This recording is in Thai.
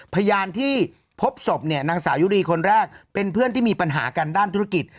พยานที่พบศพเนี่ยนางสาวยุรีคนแรกเป็นเพื่อนที่มีปัญหากันด้านธุรกิจ